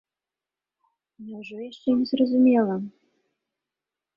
Няўжо яшчэ не зразумела?